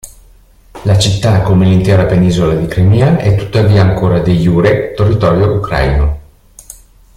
La città come l'intera penisola di Crimea è tuttavia ancora de jure territorio ucraino.